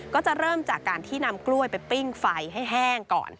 ก็จะเริ่มจากการที่นำกล้วยไปปิ้งไฟให้แห้งก่อน